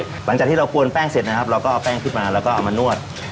หลังจากที่เรากวนแป้งเสร็จนะครับเราก็เอาแป้งขึ้นมาแล้วก็เอามานวด